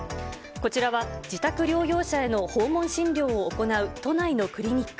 こちらは自宅療養者への訪問診療を行う都内のクリニック。